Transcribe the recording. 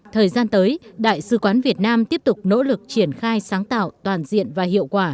thời gian tới đại sứ quán việt nam tiếp tục nỗ lực triển khai sáng tạo toàn diện và hiệu quả